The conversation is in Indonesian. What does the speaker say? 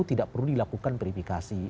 tidak perlu dilakukan verifikasi